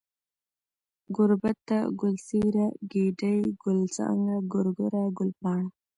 گوربته ، گل څېره ، گېډۍ ، گل څانگه ، گورگره ، گلپاڼه